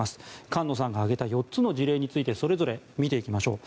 菅野さんが挙げた４つの事例についてそれぞれ見ていきましょう。